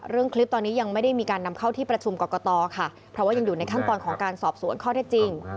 เรื่องคลิปตอนนี้ยังไม่ได้มีการนำเข้าที่ประชุมกรกตค่ะเพราะว่ายังอยู่ในขั้นตอนของการสอบสวนข้อเท็จจริง